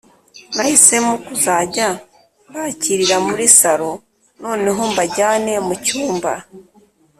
nahisemo kuzajya mbakirira muri saro noneho mbajyane mucyumba